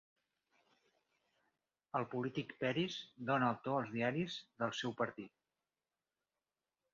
El polític Peris dona el to als diaris del seu partit.